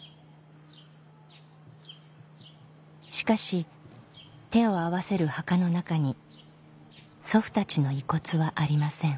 しかし手を合わせる墓の中に祖父たちの遺骨はありません